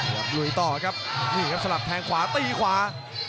ลุยต่อครับนี่ครับสลับแทงขวาตีขวา